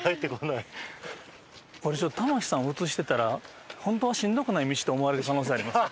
水田：これ、ちょっと玉木さんを映してたら本当はしんどくない道と思われる可能性ありますよ。